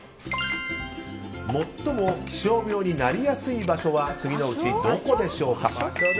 最も気象病になりやすい場所は次のうち、どこでしょう？